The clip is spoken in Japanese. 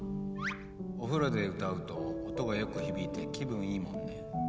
お風呂で歌うと音がよく響いて気分いいもんね。